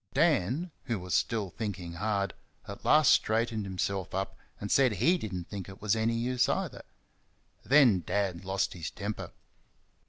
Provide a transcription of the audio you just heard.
Dan, who was still thinking hard, at last straightened himself up and said HE did n't think it was any use either. Then Dad lost his temper.